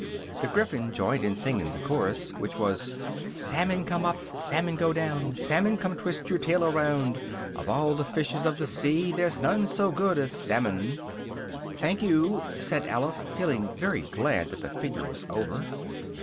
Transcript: The Gryphon joined in singing the chorus, which was: "Salmon come up! Salmon go down! Salmon come twist your tail around! Of all the fishes of the sea There's none so good as Salmon!" "Thank you," said Alice, feeling very glad that the figure was over.